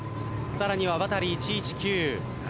さらにはワタリ１１９。